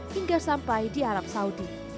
hingga sampai di arab saudi